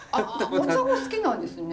お好きなんですね。